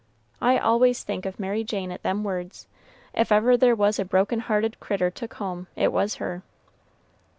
I always think of Mary Jane at them words; if ever there was a broken hearted crittur took home, it was her."